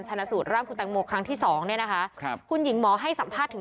ชนะสูตรร่างคุณแตงโมครั้งที่สองเนี่ยนะคะครับคุณหญิงหมอให้สัมภาษณ์ถึง